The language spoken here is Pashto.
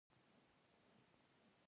کېله د زړه حملو مخنیوي کې مرسته کوي.